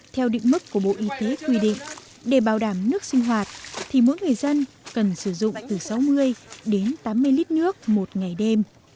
theo định mức của bộ y tế quy định để bảo đảm nước sinh hoạt thì mỗi người dân cần sử dụng từ sáu mươi đến tám mươi lít nước một ngày đêm